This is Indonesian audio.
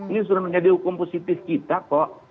ini sudah menjadi hukum positif kita kok